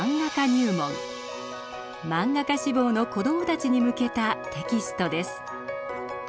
マンガ家志望の子どもたちに向けたテキストです。